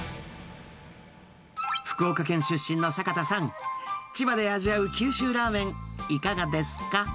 福岡県出身の坂田さん、千葉で味わう九州ラーメン、いかがですか？